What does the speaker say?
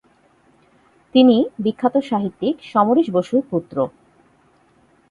তিনি বিখ্যাত সাহিত্যিক সমরেশ বসুর পুত্র।